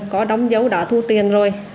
có đóng dấu đã thu tiền rồi